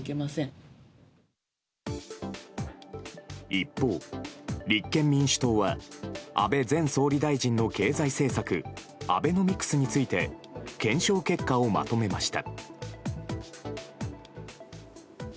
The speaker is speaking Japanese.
一方、立憲民主党は安倍前総理大臣の経済政策アベノミクスについて検証結果をまとめました。